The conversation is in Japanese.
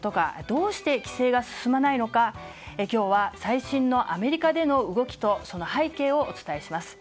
どうして規制が進まないのか今日は最新のアメリカでの動きとその背景をお伝えします。